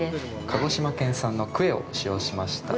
鹿児島県産のクエを使用しました